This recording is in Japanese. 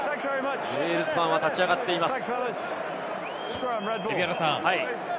ウェールズファンは立ち上がっています。